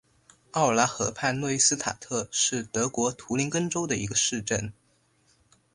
奥尔拉河畔诺伊斯塔特是德国图林根州的一个市镇。